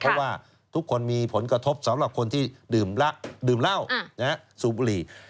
เพราะว่าทุกคนมีผลกระทบสำหรับคนที่ดื่มเหล้าสูบบุหรี่